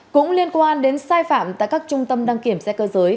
cũng liên quan đến sai phạm tại các trung tâm đăng kiểm xe cơ giới